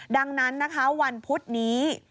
ดังนั้นนะคะวันพุธนี้